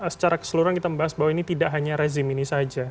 secara keseluruhan kita membahas bahwa ini tidak hanya rezim ini saja